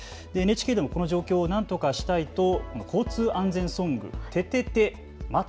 ＮＨＫでもこの状況をなんとかしたいと交通安全ソング、ててて！